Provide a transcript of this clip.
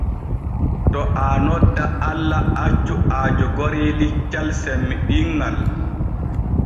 To aa nodda Allah accu aa jogori liccal semmiɗinŋal.